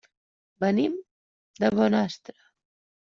Venim de Bonastre.